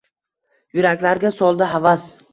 Yuraklarga soldi havas.